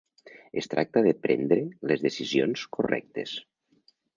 Es tracta de prendre les decisions correctes.